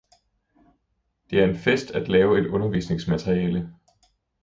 Det er en fest at lave et undervisningsmateriale